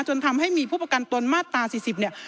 จนทำให้มีผู้ประกันตนมาตรา๔๐เนี่ย